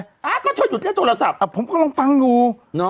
อ้าวก็ช่วยหยุดเรียกโทรศัพท์อ่ะผมกำลังฟังดูเนอะ